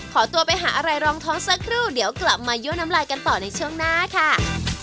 ขอตัวไปหาอะไรรองท้องสักครู่เดี๋ยวกลับมายั่วน้ำลายกันต่อในช่วงหน้าค่ะ